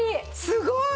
すごい！